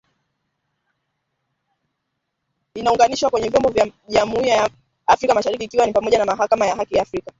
inaunganishwa kwenye vyombo vya jumuia ya Afrika mashariki ikiwa ni pamoja na Mahakama ya Haki ya Afrika